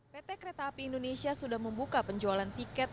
pt kereta api indonesia sudah membuka penjualan tiket